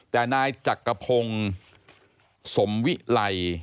แต่นายจักรพงศ์สมวิไล